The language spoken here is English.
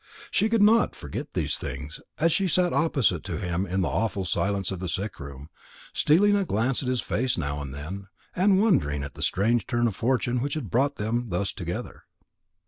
She could not forget these things, as she sat opposite to him in the awful silence of the sick room, stealing a glance at his face now and then, and wondering at the strange turn of fortune which had brought them thus together.